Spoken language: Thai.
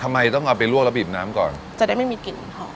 ทำไมต้องเอาไปลวกแล้วบีบน้ำก่อนจะได้ไม่มีกลิ่นหอม